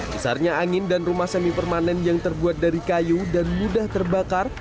besarnya angin dan rumah semi permanen yang terbuat dari kayu dan mudah terbakar